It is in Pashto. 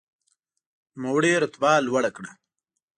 نوموړي رتبه لوړه کړه.